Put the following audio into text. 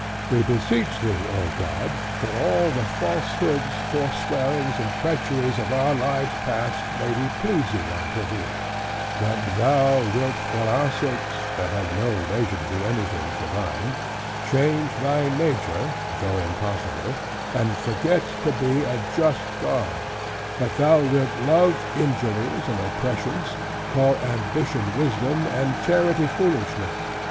"We beseech Thee, O God, that all the falsehoods, forswearings, and treacheries of our lives past, may be pleasing unto Thee; that Thou wilt for our sakes (that have had no leisure to do anything for Thine) change Thy nature (though impossible,) and forget to be a just God; that Thou wilt love injuries and oppressions, call ambition wisdom, and charity foolishness.